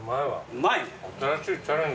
うまいね。